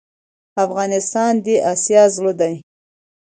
افغانستان دي اسيا زړه ده